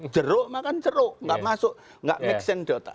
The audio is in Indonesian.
jeruk makan jeruk tidak masuk tidak mix in di otak